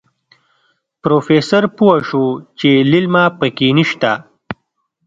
پروفيسر پوه شو چې ليلما پکې نشته.